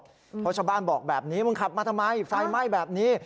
เพราะชาวบ้านบอกแบบนี้มึงขับมาทำไมไฟไหม้แบบนี้